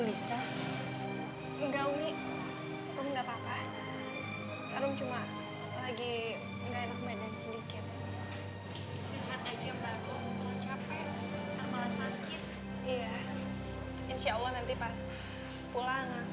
lo udah enggak betah disini bang